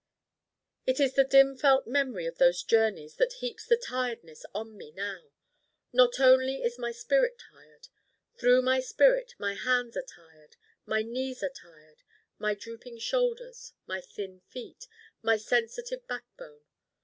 It is the dim felt memory of those journeys that heaps the Tiredness on me now. Not only is my spirit Tired. Through my spirit my hands are Tired: my knees are Tired: my drooping shoulders: my thin feet: my sensitive backbone.